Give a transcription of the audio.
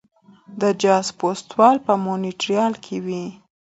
د جاز فستیوال په مونټریال کې وي.